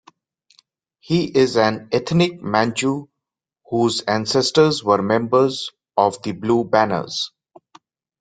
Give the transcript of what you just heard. He is an ethnic Manchu whose ancestors were members of the Blue Banners.